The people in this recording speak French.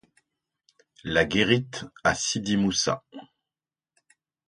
La Guérite à Sidi Moussa.